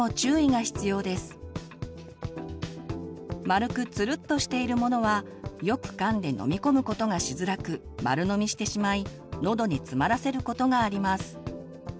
丸くつるっとしているものはよくかんで飲み込むことがしづらく丸飲みしてしまいのどに詰まらせることがあります。